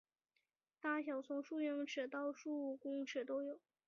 大小从数英寸到数公尺都有。